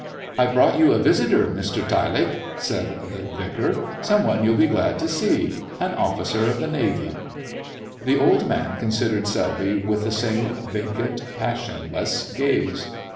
"I've brought you a visitor, Mr Tyelake," said the vicar. "Some one you'll be glad to see: an Officer in the Navy." The old man considered Selby with the same vacant, passionless gaze.